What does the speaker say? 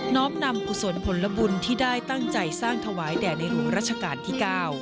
้อมนำกุศลผลบุญที่ได้ตั้งใจสร้างถวายแด่ในหลวงรัชกาลที่๙